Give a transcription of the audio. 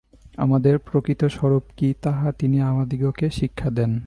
আমাদের প্রকৃত স্বরূপ কি, তাহা তিনি আমাদিগকে শিক্ষা দেন।